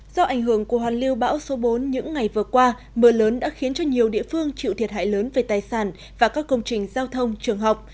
do ảnh hưởng của hoàn lưu bão số bốn những ngày vừa qua mưa lớn đã khiến cho nhiều địa phương chịu thiệt hại lớn về tài sản và các công trình giao thông trường học